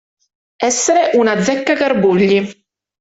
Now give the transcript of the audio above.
Essere un azzeccagarbugli.